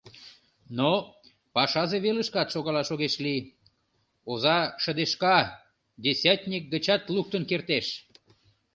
Но пашазе велышкат шогалаш огеш лий: оза шыдешка, десятник гычат луктын кертеш.